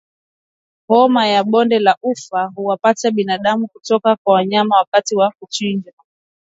Homa ya bonde la ufa huwapata binadamu kutoka kwa mnyama wakati wa kuchinja